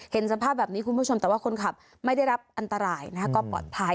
เห็นสภาพแบบนี้คุณผู้ชมแต่ว่าคนขับไม่ได้รับอันตรายนะคะก็ปลอดภัย